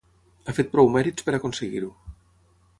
Ha fet prou mèrits per aconseguir-ho.